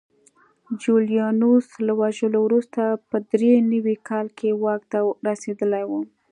جولیانوس له وژلو وروسته په درې نوي کال کې واک ته رسېدلی و